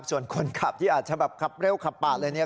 ส่วนคนขับที่อาจจะแบบขับเร็วขับปาดเลยเนี่ย